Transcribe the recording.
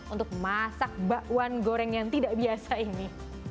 untuk masak bakwan goreng yang tidak biasa ini